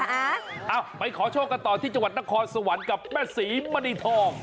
เอาไปขอโชคกันต่อที่จังหวัดนครสวรรค์กับแม่ศรีมณีทอง